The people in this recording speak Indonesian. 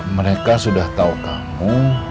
mereka sudah tau kamu